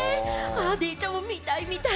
デイちゃんも見たい、見たい！